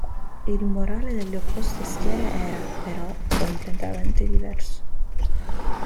Il morale delle opposte schiere era, però, completamente diverso.